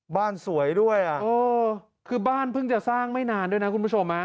บ้านสวยด้วยคือบ้านเพิ่งจะสร้างไม่นานด้วยนะคุณผู้ชม